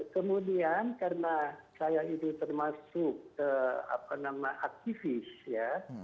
kemudian karena saya itu termasuk aktivis ya